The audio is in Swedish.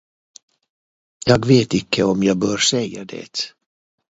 Jag vet icke om jag bör säga det.